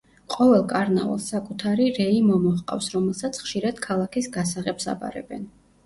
ყოველ კარნავალს საკუთარი რეი მომო ჰყავს, რომელსაც ხშირად ქალაქის გასაღებს აბარებენ.